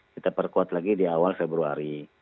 kita perkuat lagi di awal februari